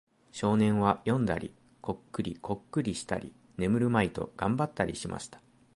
少年は読んだり、コックリコックリしたり、眠るまいと頑張ったりしました。